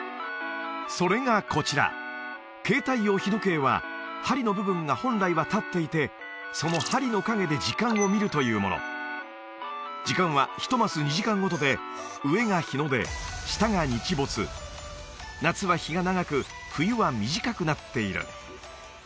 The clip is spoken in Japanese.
それがこちら携帯用日時計は針の部分が本来は立っていてその針の影で時間を見るというもの時間は１マス２時間ごとで上が日の出下が日没夏は日が長く冬は短くなっている